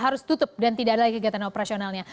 harus tutup dan tidak ada lagi kegiatan operasionalnya